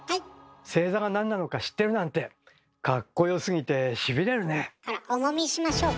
正座が何なのか知ってるなんてあらおもみしましょうか？